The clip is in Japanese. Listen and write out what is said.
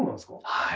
はい。